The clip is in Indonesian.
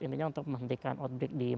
intinya untuk menghentikan outbreak di